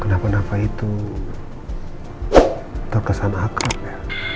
kenapa nafa itu terkesan akrab ya